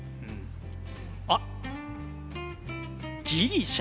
あっギリシャ。